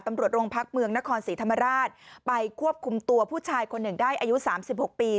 ตำรวจโรงพักเมืองนครศรีธรรมราชไปควบคุมตัวผู้ชายคนหนึ่งได้อายุสามสิบหกปี